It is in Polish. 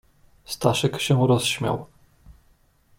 "Staszek się rozśmiał."